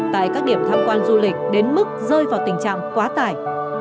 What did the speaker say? tại các điểm tham quan du lịch đến mức rơi vào tình trạng quá tải